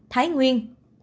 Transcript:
bảy thái nguyên